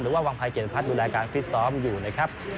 ว่าวังภัยเกียรติพัฒน์ดูแลการฟิตซ้อมอยู่นะครับ